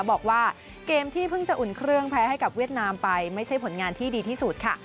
บอกว่าเกมที่เพิ่งจะอุ่นเครื่องแพ้ให้กับเวียดนามไปไม่ใช่ผลงานที่ดีที่สุดค่ะ